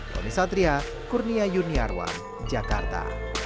tony satria kurnia yuniarwan jakarta